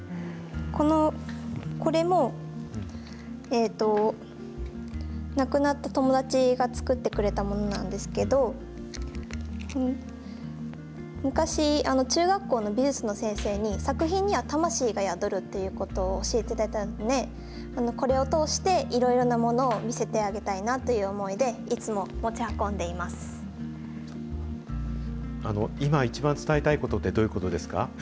このこれも、亡くなった友達が作ってくれたものなんですけど、昔、中学校の美術の先生に、作品には魂が宿るということを教えていただいたので、これを通していろいろなものを見せてあげたいなという思いでいつ今、一番伝えたいことってどういうことですか。